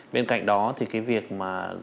bên cạnh đó thì cái việc mà